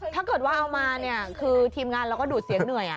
ถ้าเกิดว่าเอามาเนี่ยคือทีมงานเราก็ดูดเสียงเหนื่อย